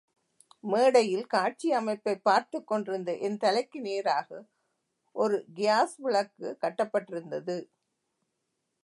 மேடையில் காட்சி அமைப்பைப் பார்த்துக் கொண்டிருந்த என் தலைக்கு நேராக ஒரு கியாஸ் விளக்குக் கட்டப்பட்டிருந்தது.